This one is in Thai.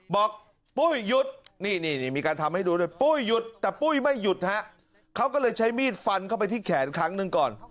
ปุ้ยหยุดนี่มีการทำให้ดูด้วยปุ้ยหยุดแต่ปุ้ยไม่หยุดฮะเขาก็เลยใช้มีดฟันเข้าไปที่แขนครั้งหนึ่งก่อน